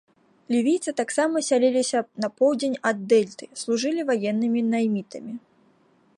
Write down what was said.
Лівійцы таксама сяліліся на поўдзень ад дэльты, служылі ваеннымі наймітамі.